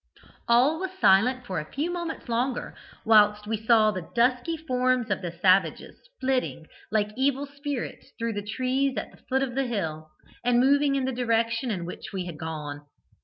"All was silence for a few moments longer, whilst we saw the dusky forms of the savages flitting, like evil spirits, through the trees at the foot of the hill, and moving in the direction in which we had gone.